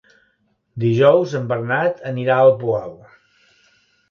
Dijous en Bernat anirà al Poal.